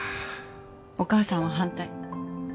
お母さんは反対。